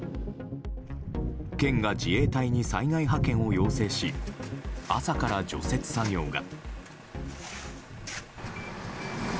県が自衛隊に災害派遣を要請し朝から除雪作業が。